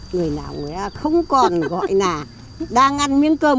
người nào không còn gọi là đang ăn miếng cơm